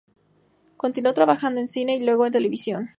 Continuó trabajando en cine y luego en televisión.